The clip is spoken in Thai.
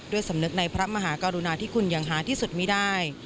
สำนึกในพระมหากรุณาที่คุณอย่างหาที่สุดมีได้